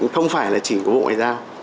không phải là chỉ của bộ ngoại giao